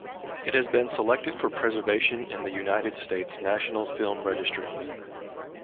It has been selected for preservation in the United States National Film Registry.